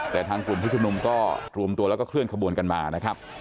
แต่ทางกลุ่มผู้ชุมนุมก็รวมตัวแล้วก็เคลื่อนขบวนกันมานะครับ